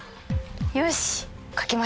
よし！